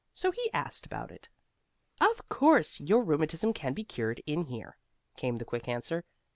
So he asked about it. "Of course, your rheumatism can be cured in here," came the quick answer.